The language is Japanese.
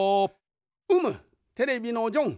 うむテレビのジョン。